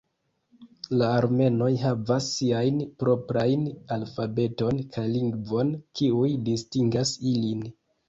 La armenoj havas siajn proprajn alfabeton kaj lingvon kiuj distingas ilin.